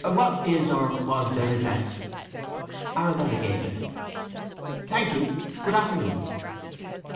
"What is, or was, their address?" Arabella gave it. "Thank you. Good afternoon."